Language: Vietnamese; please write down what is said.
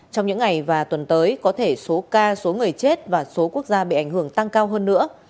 trong những ngày và tuần tới có thể số ca số người chết và số quốc gia bị ảnh hưởng tăng cao hơn nữa